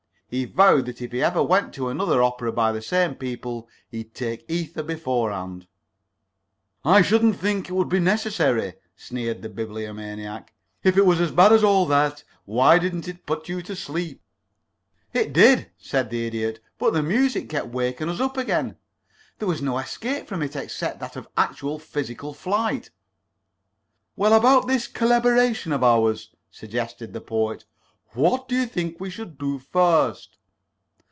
He vowed that if he ever went to another opera by the same people he'd take ether beforehand." "I shouldn't think that would be necessary," sneered the Bibliomaniac. "If it was as bad as all that, why didn't it put you to sleep?" "It did," said the Idiot. "But the music kept waking us up again. There was no escape from it except that of actual physical flight." "Well, about this collaboration of ours," suggested the Poet. "What do you think we should do first?"